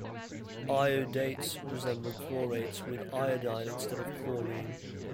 Iodates resemble chlorates with iodine instead of chlorine.